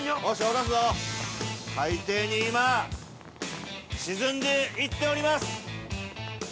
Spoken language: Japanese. ◆海底に今、沈んでいっております。